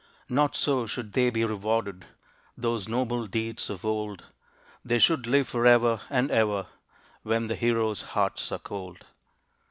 Not so should they be rewarded, Those noble deeds of old; They should live forever and ever, When the heroes' hearts are cold.